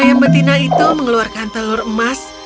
ayam betina itu mengeluarkan telur emas